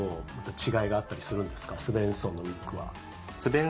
スヴェンソンのウィッグは。